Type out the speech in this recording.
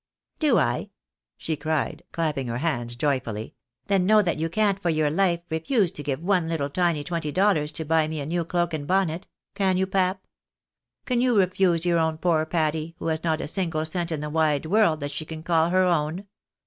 " Do I ?" she cried, clapping her hands joyfully ;" then know tha,t you can't, for your life, refuse to give one little tiny twenty dollars to buy me a new cloak and bonnet. Can you, pap? Can you refuse your own poor Patty, who has not a single cent in the wide world that she can call her own